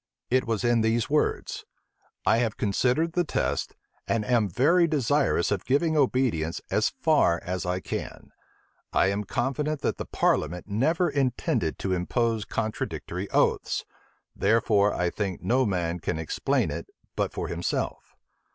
It was in these words "I have considered the test, and am very desirous of giving obedience as far as I can. I am confident that the parliament never intended to impose contradictory oaths: therefore I think no man can explain it but for himself.